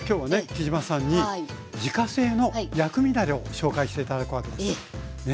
杵島さんに自家製の薬味だれをご紹介して頂くわけです。